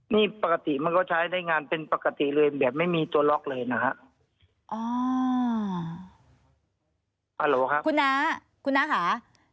นี่ปกติมันก็ใช้ได้งานเป็นปกติเลยแบบไม่มีตัวล็อกเลยนะฮะ